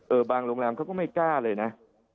บางโรงแรมเขาก็ไม่กล้าเลยนะ